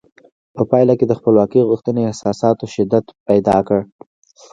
په پایله کې د خپلواکۍ غوښتنې احساساتو شدت پیدا کړ.